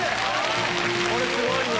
これすごいよ。